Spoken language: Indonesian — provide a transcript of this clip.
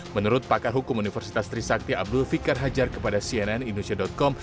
menurut pakar hukum universitas trisakti abdul fikar hajar kepada cnn indonesia com